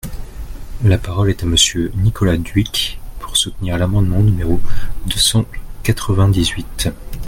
La parole est à Monsieur Nicolas Dhuicq, pour soutenir l’amendement numéro deux cent quatre-vingt-dix-huit.